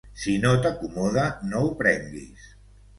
Si no t'acomoda, no ho prenguis.